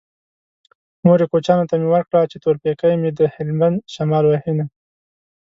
مورې کوچيانو ته مې ورکړه چې تور پېکی مې د هلبند شمال وهينه